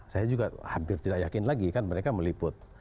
saya juga hampir tidak yakin lagi kan mereka meliput